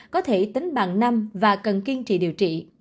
có thể tính bằng năm và cần kiên trì điều trị